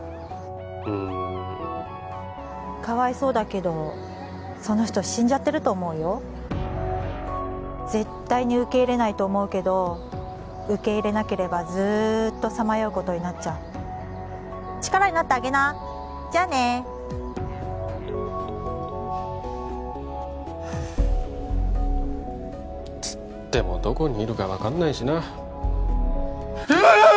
うんかわいそうだけどその人死んじゃってると思うよ絶対に受け入れないと思うけど受け入れなければずーっとさまようことになっちゃう力になってあげなじゃあねつってもどこにいるか分かんないしなうわー！